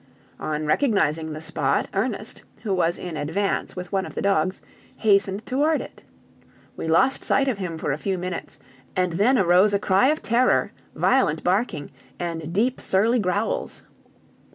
On recognizing the spot, Ernest, who was in advance with one of the dogs, hastened toward it. We lost sight of him for a few minutes, and then arose a cry of terror, violent barking, and deep, surly growls.